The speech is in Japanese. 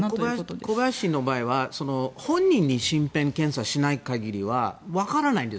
小林氏の場合は本人に身辺検査しない場合は分からないんです。